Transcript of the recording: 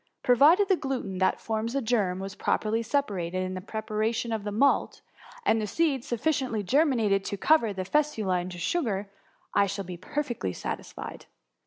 Provided the gluten that forms the germ was properly separated in the 64 THE MUMMY. preparation of the malt^ and the seed sufficient ly germinated to convert the fecula into sugar, I shall be perfectly satisfied."